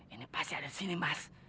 ini pasti ada disini mas